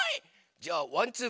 じゃあ「ワンツー！